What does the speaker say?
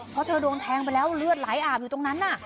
เพราะเธอโดนแทงไปแล้วเลือดไหลอาบอยู่ตรงนั้น